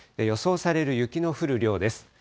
予想される雪の降る量です。